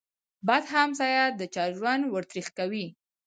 بد همسایه د چا ژوند ور تريخ کوي.